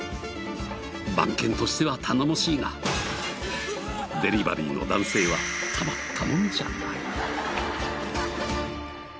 番犬としては頼もしいがデリバリーの男性はたまったもんじゃない。